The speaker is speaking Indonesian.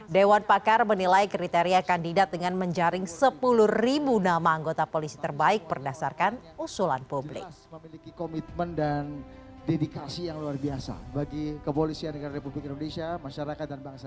dewan pakar menilai kriteria kandidat dengan menjaring sepuluh nama anggota polisi terbaik berdasarkan usulan publik